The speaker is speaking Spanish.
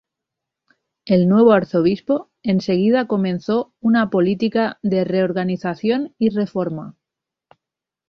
El nuevo arzobispo enseguida comenzó una política de reorganización y reforma.